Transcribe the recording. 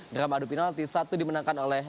drama adu penalti satu dimenangkan oleh